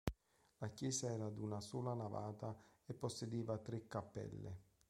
La chiesa era ad una sola navata e possedeva tre cappelle.